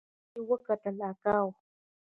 شا ته مې وکتل اکا و.